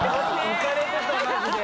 浮かれてたマジで。